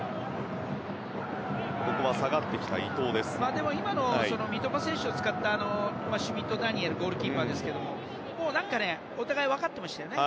でも、今三笘選手を使ったシュミット・ダニエルゴールキーパーですけども何か、お互い分かっていましたよね。